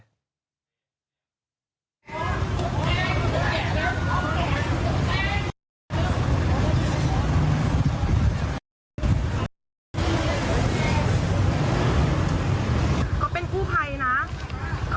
ก็เป็นกู้ไพนะ